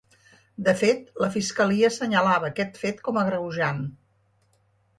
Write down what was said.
De fet, la fiscalia assenyalava aquest fet com a agreujant.